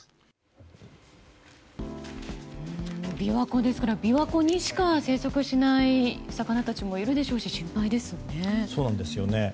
琵琶湖ですから琵琶湖にしか生息しない魚たちもいるでしょうし心配ですよね。